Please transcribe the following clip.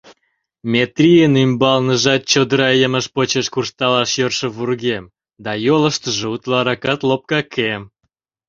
Метрийын ӱмбалныжат чодыра емыж почеш куржталаш йӧршӧ вургем да йолыштыжо утларакат лопка кем.